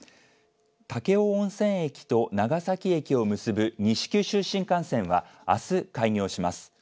武雄温泉駅と長崎駅を結ぶ西九州新幹線はあす開業します。